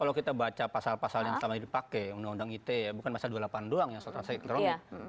kalau kita baca pasal pasal yang selama ini dipakai undang undang it bukan pasal dua puluh delapan doang yang selama ini teronggok